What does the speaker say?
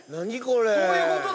どういうことだ